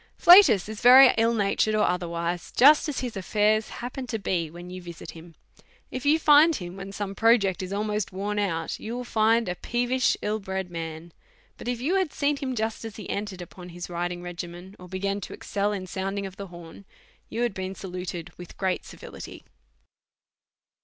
Flatus is very ill natured, or otherwise, just as his affairs happen to be when you visit him ; if you find him when some project is almost worn out, you will find a peevish, ill bred man ; but if you had seen him just as he entered upon his riding regimen, or begun to excel in sounding of the horn, you had been saluted with great civility.